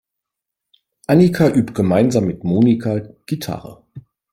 Annika übt gemeinsam mit Monika Gitarre.